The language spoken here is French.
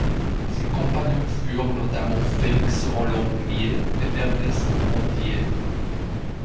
Ses compagnons furent notamment Félix-Roland Moumié et Ernest Ouandié.